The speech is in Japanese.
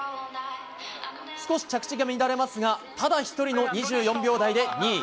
少し着地が乱れますがただ１人の２４秒台で２位。